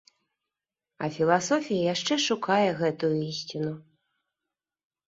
А філасофія яшчэ шукае гэтую ісціну.